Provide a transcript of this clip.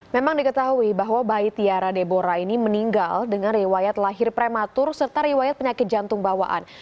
memang diketahui bahwa bayi tiara debora ini meninggal dengan riwayat lahir prematur serta riwayat penyakit jantung bawaan